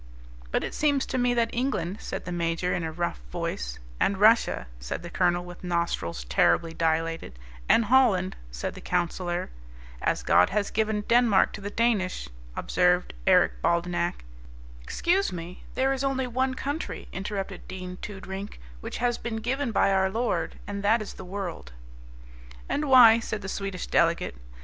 "But it seems to me that England," said the Major in a rough voice, "and Russia," said the Colonel, with nostrils terribly dilated, "and Holland," said the Counsellor; "as God has given Denmark to the Danish," observed Eric Baldenak "Excuse me, there is only one country," interrupted Dean Toodrink, "which has been given by our Lord, and that is the world." "And why," said the Swedish delegate?